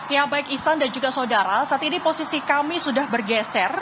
ya baik ihsan dan juga saudara saat ini posisi kami sudah bergeser